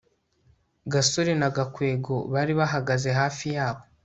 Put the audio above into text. gasore na gakwego bari bahagaze hafi yabo